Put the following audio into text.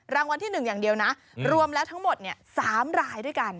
รางวัลที่๑อย่างเดียวนะรวมแล้วทั้งหมด๓รายด้วยกัน